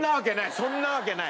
そんなわけない。